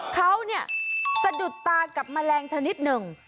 เขาเนี่ยสะดุดตากับแมลงชนิดหนึ่ง